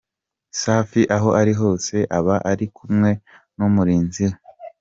Safi aho ari hose aba ari kumwe n’umurinzi we.